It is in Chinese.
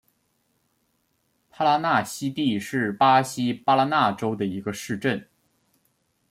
帕拉纳西蒂是巴西巴拉那州的一个市镇。